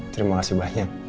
terima kasih banyak